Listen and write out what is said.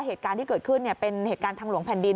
เหตุการณ์ที่เกิดขึ้นเป็นเหตุการณ์ทางหลวงแผ่นดิน